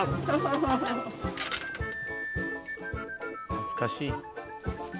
懐かしい。